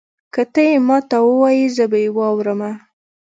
که تۀ یې ماته ووایي زه به یې واورمه.